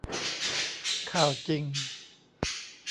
ข่าวจริง